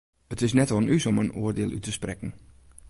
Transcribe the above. It is net oan ús om in oardiel út te sprekken.